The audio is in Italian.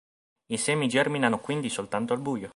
I semi germinano quindi soltanto al buio.